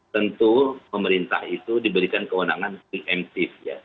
tentu pemerintah itu diberikan kewenangan preemptif